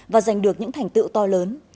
và giành được những thành tựu to lớn